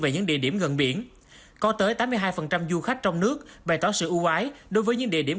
về những địa điểm gần biển có tới tám mươi hai du khách trong nước bày tỏ sự ưu ái đối với những địa điểm